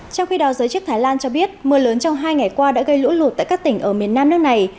trong khi đó giới chức thái lan cho biết mưa lớn trong hai ngày qua đã gây lũ lụt tại các tỉnh ở miền nam nước này